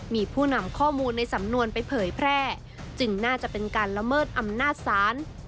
มีผู้นำข้อมูลในสำนวนไปเผยแพร่จึงน่าจะเป็นการละเมิดอำนาจศาล